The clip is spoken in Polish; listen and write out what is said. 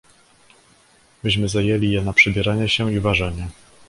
"Myśmy zajęli je na przebieranie się i ważenie."